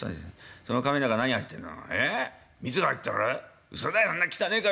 その瓶ん中何入ってんの？